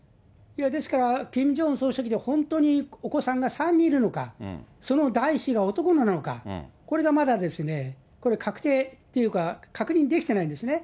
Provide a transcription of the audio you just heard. ですから、キム・ジョンウン総書記に本当にお子さんが３人いるのか、その第１子が男なのか、これがまだ、これ、確定っていうか、確認できてないんですね。